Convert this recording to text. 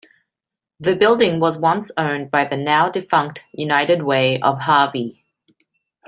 The building was once owned by the now defunct United Way of Harvey.